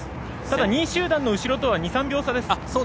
２位集団の後ろとは２３秒差です。